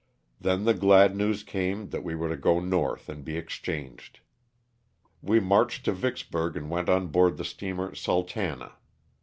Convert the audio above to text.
Then the glad news came that we were to go North and be exchanged. We marched to Vicksburg and went on board the steamer ''Sultana."